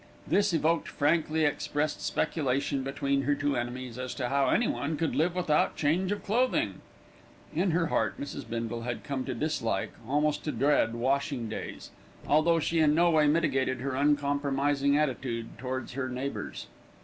This evoked frankly expressed speculation between her two enemies as to how anyone could live without change of clothing. In her heart, Mrs. Bindle had come to dislike, almost to dread, washing days, although she in no way mitigated her uncompromising attitude towards her neighbours.